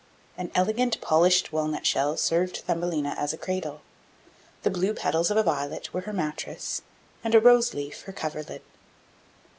An elegant polished walnut shell served Thumbelina as a cradle, the blue petals of a violet were her mattress, and a rose leaf her coverlid.